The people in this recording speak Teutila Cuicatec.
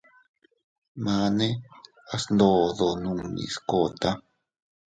Mane a sndodo nunni skota.